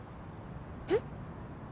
えっ？